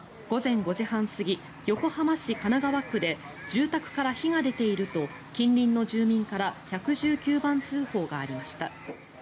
午前５時半過ぎ横浜市神奈川区で住宅から火が出ていると近隣の住民から１１９番通報がありました。